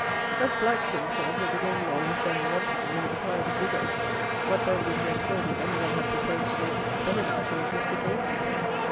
Judge Blackstone says that the Game Law was then wantoning in its highest vigour; what, then, would he have said, if any one had proposed to make it felony to resist a gamekeeper?